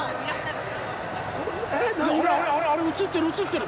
あれ映ってる映ってる。